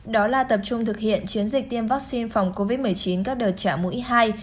đó là tập trung thực hiện chiến dịch tiêm vaccine phòng covid một mươi chín các đợt trại mũi hai